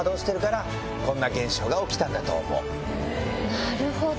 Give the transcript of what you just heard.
なるほど！